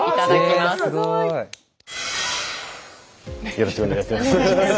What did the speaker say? よろしくお願いします。